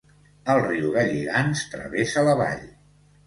El riu Galligants travessa la vall.